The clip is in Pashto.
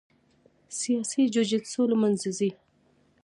سیاسي جوجیتسو له منځه ځي.